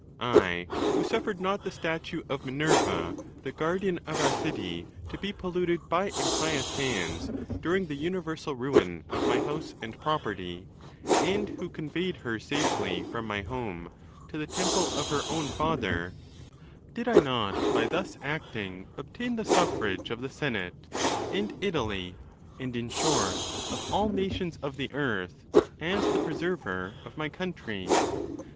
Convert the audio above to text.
I, who suffered not the statue of Minerva, the guardian of our city, to be polluted by impious hands during the uni — versal ruin of my house and property, and who conveyed her safely from my home to the temple of her own Father ; did I not by thus acting obtain the suffrage of the senate, and Italy, and in short of all nations of the earth, as the pre server of my country